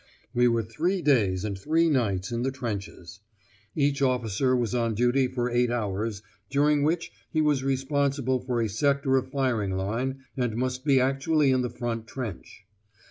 We were three days and three nights in the trenches. Each officer was on duty for eight hours, during which he was responsible for a sector of firing line and must be actually in the front trench.